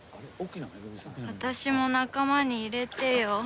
「私も仲間に入れてよ」